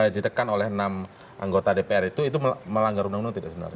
ditekan oleh enam anggota dpr itu itu melanggar undang undang tidak sebenarnya